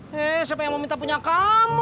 hei siapa yang mau minta punya kamu